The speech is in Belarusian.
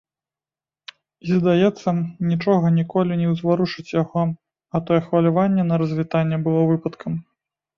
І, здаецца, нічога ніколі не ўзварушыць яго, а тое хваляванне на развітанні было выпадкам.